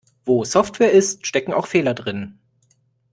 Wo Software ist, stecken auch Fehler drinnen.